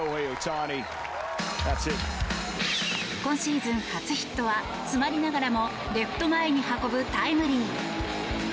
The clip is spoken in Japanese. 今シーズン初ヒットは詰まりながらもレフト前に運ぶタイムリー。